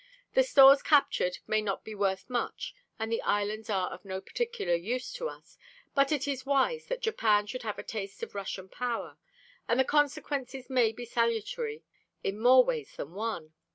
The stores captured may not be worth much and the islands are of no particular use to us, but it is wise that Japan should have a taste of Russian power; and the consequences may be salutary in more ways than one.